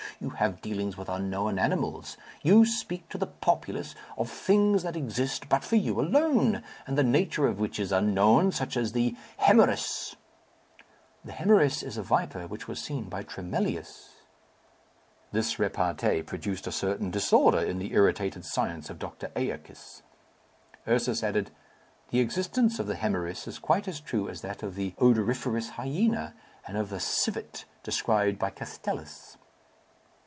You have dealings with unknown animals. You speak to the populace of things that exist but for you alone, and the nature of which is unknown, such as the hoemorrhoüs." "The hoemorrhoüs is a viper which was seen by Tremellius." This repartee produced a certain disorder in the irritated science of Doctor Æacus. Ursus added, "The existence of the hoemorrhoüs is quite as true as that of the odoriferous hyena, and of the civet described by Castellus."